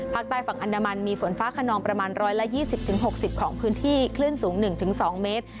ภาคใต้ฝั่งอันดามันมีฝนฟ้าขนองประมาณ๑๒๐๖๐ของพื้นที่คลื่นสูง๑๒เมตร